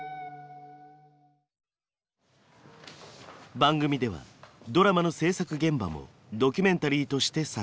番組ではドラマの制作現場もドキュメンタリーとして撮影。